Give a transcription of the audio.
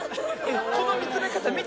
この見つめ方、見て。